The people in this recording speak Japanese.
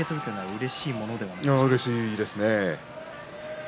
うれしいですね。